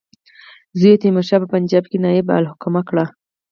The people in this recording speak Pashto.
زوی یې تیمورشاه په پنجاب کې نایب الحکومه کړ.